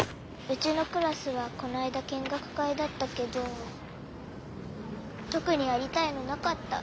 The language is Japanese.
うちのクラスはこないだ見学会だったけどとくにやりたいのなかった。